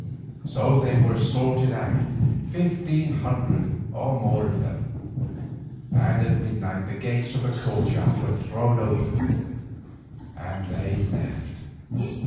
So they were sorted out, fifteen hundred or more of them, and at midnight the gates of the courtyard were thrown open, and they left.